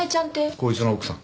こいつの奥さん。